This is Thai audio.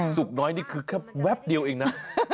สุขน้อยนี่คือแค่แป๊บเดียวเองนะ